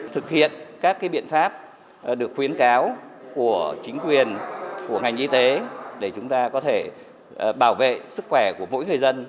thực hiện các biện pháp được khuyến cáo của chính quyền của ngành y tế để chúng ta có thể bảo vệ sức khỏe của mỗi người dân